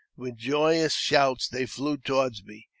With joyous shouts they flew toward me.